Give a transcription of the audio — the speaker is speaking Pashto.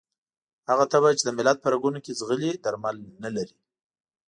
هغه تبه چې د ملت په رګونو کې ځغلي درمل نه لري.